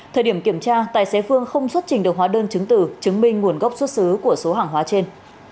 thời điểm kiểm tra tài xế phương không xuất trình được hóa đơn chứng từ chứng minh nguồn gốc xuất xứ của số hàng hóa trên